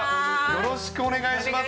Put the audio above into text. よろしくお願いします。